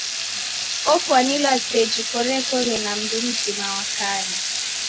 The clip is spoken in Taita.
Ofwanilwa seji korekoghe na mndu mzima wa kana.